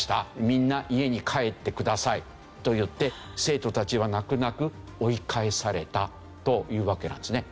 みんな家に帰ってくださいと言って生徒たちは泣く泣く追い返されたというわけなんですね。